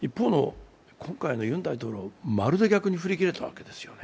今回のユン大統領は、まるで逆に振り切れたわけですよね。